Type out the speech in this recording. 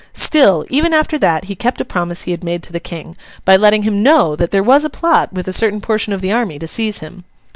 Still, even after that, he kept a promise he had made to the King, by letting him know that there was a plot with a certain portion of the army to seize him.